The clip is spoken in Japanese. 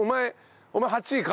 お前８位か。